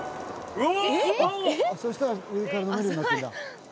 うわ！